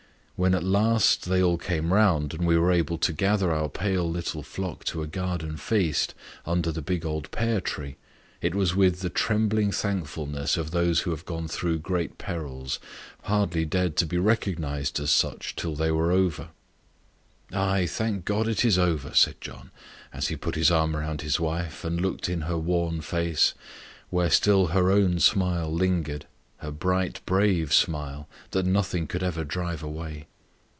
When at last they all came round, and we were able to gather our pale little flock to a garden feast, under the big old pear tree, it was with the trembling thankfulness of those who have gone through great perils, hardly dared to be recognized as such till they were over. "Ay, thank God it is over!" said John, as he put his arm round his wife, and looked in her worn face, where still her own smile lingered her bright, brave smile, that nothing could ever drive away.